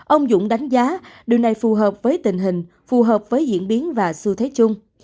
ông dũng đánh giá điều này phù hợp với tình hình phù hợp với diễn biến và xu thế chung